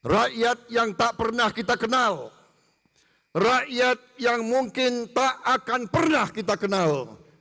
rakyat yang tak pernah kita kenal rakyat yang mungkin tak akan pernah kita kenal